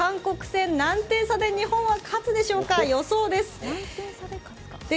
韓国戦、何点差で日本は勝つでしょうか、予想です。